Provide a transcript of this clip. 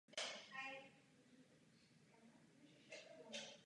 A ani se nejedná o konsenzus.